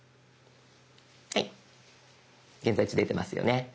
はい現在地出てますよね。